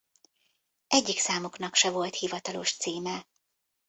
Egyik számuknak se volt hivatalos címe.